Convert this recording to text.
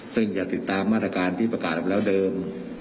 ซึ่งจะติดตามมาตรการที่ประกาศออกมาแล้วเดิม